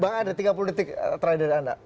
bang ada tiga puluh detik terhadap anda